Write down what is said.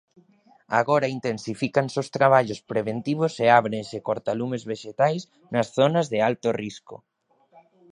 Agora intensifícanse os traballos preventivos e ábrense cortalumes vexetais nas zonas de alto risco.